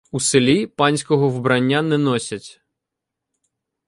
У селі "панського" вбрання не носять.